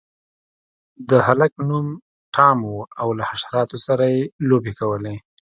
د هلک نوم ټام و او له حشراتو سره یې لوبې کولې.